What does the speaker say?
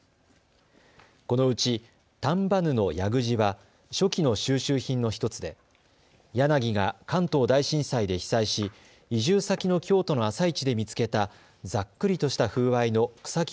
このうち、丹波布夜具地は初期の収集品の１つで柳が関東大震災で被災し移住先の京都の朝市で見つけたざっくりとした風合いの草木